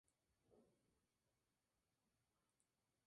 Comenzó su carrera en la Radiocadena Española.